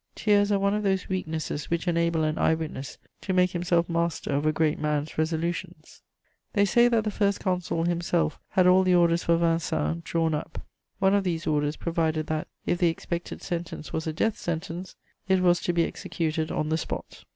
Tears are one of those weaknesses which enable an eyewitness to make himself master of a great man's resolutions. [Sidenote: He is taken to Vincennes.] They say that the First Consul himself had all the orders for Vincennes drawn up. One of these orders provided that, if the expected sentence was a death sentence, it was to be executed on the spot.